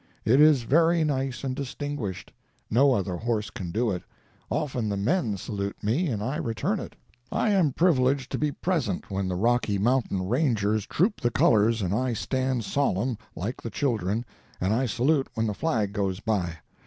It is very nice and distinguished; no other horse can do it; often the men salute me, and I return it. I am privileged to be present when the Rocky Mountain Rangers troop the colors and I stand solemn, like the children, and I salute when the flag goes by.